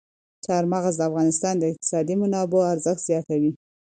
چار مغز د افغانستان د اقتصادي منابعو ارزښت زیاتوي.